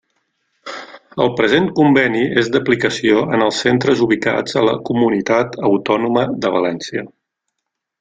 El present conveni és d'aplicació en els centres ubicats a la Comunitat Autònoma de València.